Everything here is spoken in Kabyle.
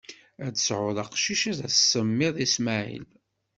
Ad d-tesɛuḍ acqcic, ad s-tsemmiḍ Ismaɛil.